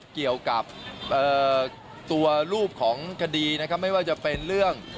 เกี่ยวกับตัวรูปของคดีนะครับไม่ว่าจะเป็นเรื่อง